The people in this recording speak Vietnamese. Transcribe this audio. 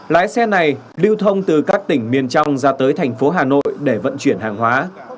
lái xe này lưu thông từ các tỉnh miền trong ra tới thành phố hà nội để vận chuyển hàng hóa